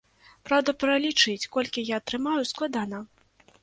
Праўда, пралічыць, колькі я атрымаю, складана.